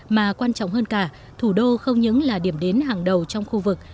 mà quan trọng hơn cả thủ đô không những là điểm đến hàng đầu trong khu vực